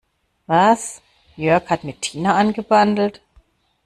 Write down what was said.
Was, Jörg hat mit Tina angebandelt?